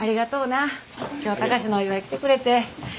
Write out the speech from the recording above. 今日は貴司のお祝い来てくれて。